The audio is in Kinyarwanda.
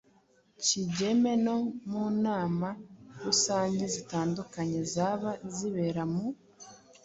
Kigeme no mu nama rusange zitandukanye zaba izibera mu